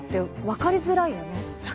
分かりづらいよね。